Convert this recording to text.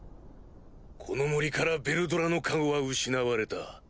この森からヴェルドラの加護は失われた。